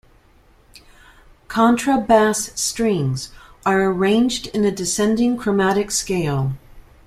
Contrabass strings are arranged in a descending chromatic scale.